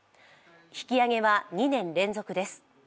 引き上げは２年連続です。